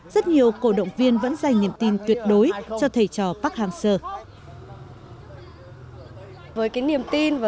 rất nhiều cổ động viên vẫn dành niềm tin tuyệt đối cho thầy trò park hang seo